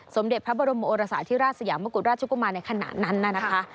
สมเด็จพระบรมโอรสาธิราชสยามกุฎราชกุมารในขณะนั้นน่ะนะคะ